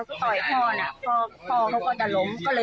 ถือมีดก็เลยถอยกันออกมา